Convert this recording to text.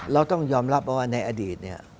เราต้องยอมรับว่าในอดีตเนี่ย